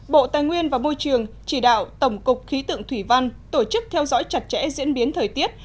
bộ tài nguyên và môi trường chỉ đạo tổng cục khí tượng thủy văn tổ chức theo dõi chặt chẽ diễn biến thời tiết